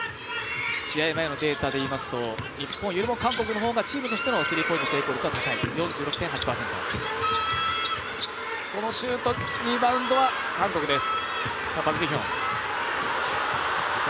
試合前のデータでいいますと日本よりも韓国の方がチームとしてのスリーポイント成功率は高く４６．８％、このシュートリバウンドは韓国です。